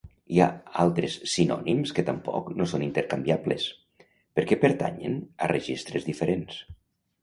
Hi ha altres sinònims que tampoc no són intercanviables, perquè pertanyen a registres diferents.